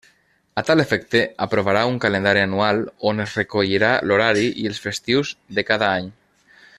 A tal efecte aprovarà un calendari anual on es recollirà l'horari i els festius de cada any.